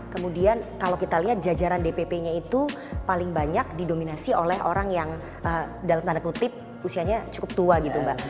kemudian kalau kita lihat jajaran dpp nya itu paling banyak didominasi oleh orang yang dalam tanda kutip usianya cukup tua gitu mbak